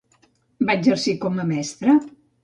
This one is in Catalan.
Va exercir com a mestre?